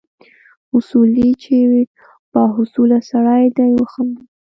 اصولي چې با حوصله سړی دی وخندل.